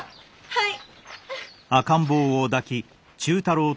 はい。